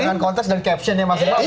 dengan konteks dan captionnya masing masing